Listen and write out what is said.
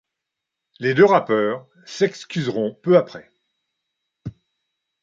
Les deux rappeurs s'excuseront peu après.